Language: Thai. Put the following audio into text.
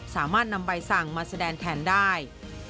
สามารถนำใบสั่งมาแสดงแทนได้